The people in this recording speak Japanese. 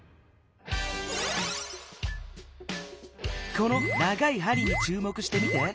この長い針にちゅうもくしてみて。